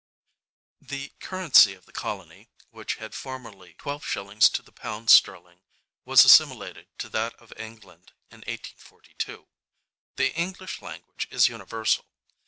The currency of the colony, which had formerly twelve shillings to the pound sterling, was assimilated to that of England in 1842. The English language is universal.